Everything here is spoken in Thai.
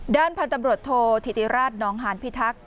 ด้านผันตำรวจโทร์ถิติราชน้องหารพิทัก